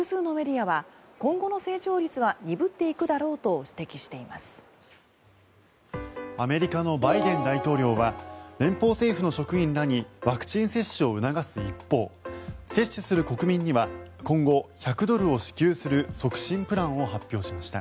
アメリカのバイデン大統領は連邦政府の職員らにワクチン接種を促す一方接種する国民には今後１００ドルを支給する促進プランを発表しました。